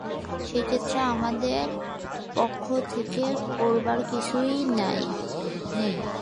সেক্ষেত্রে আমাদের পক্ষ থেকে করার কিছু নেই।